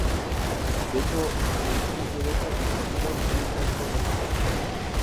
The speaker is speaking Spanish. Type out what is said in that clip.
De hecho, en los distritos de Beja y Setúbal tiene casi todas las alcaldías.